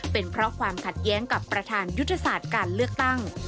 เป็นเพราะความขัดแย้งกับประธานยุทธศาสตร์การเลือกตั้ง